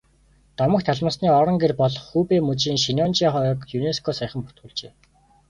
Домогт алмасны орон гэр болох Хубэй мужийн Шеннонжиа ойг ЮНЕСКО-д саяхан бүртгүүлжээ.